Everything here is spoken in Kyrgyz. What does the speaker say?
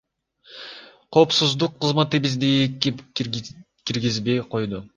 Коопсуздук кызматы бизди киргизбей койду.